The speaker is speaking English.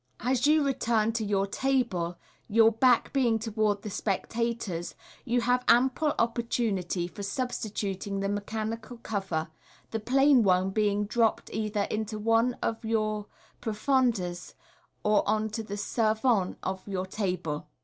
As you return to jour table, your back being towards the spectators, you have ample opportunity for substituting the mechanical cover, the plain one being dropped either into one of your profondes, or on to the servante of your table.